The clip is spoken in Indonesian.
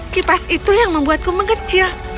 kipas itu yang membuatku mengecil